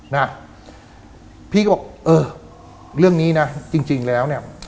นะพี่ก็บอกเออเรื่องนี้นะจริงแล้วเนี่ย